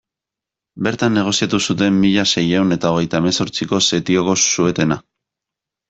Bertan negoziatu zuten mila seiehun eta hogeita hemezortziko setioko suetena.